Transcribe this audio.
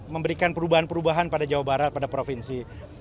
memberikan perubahan perubahan pada jawa barat pada provinsi